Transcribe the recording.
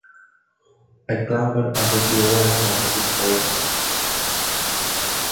I clambered under the overhang of a big boulder.